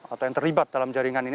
atau yang terlibat dalam jaringan ini